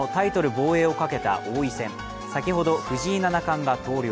防衛をかけた王位戦、先ほど、藤井七冠が投了。